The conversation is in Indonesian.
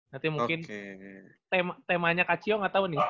nanti mungkin temanya kak cio gak tau nih